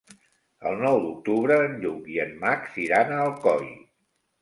El nou d'octubre en Lluc i en Max iran a Alcoi.